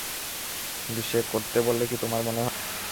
কিন্তু সে করত বলে কি তোমার মনে হয়?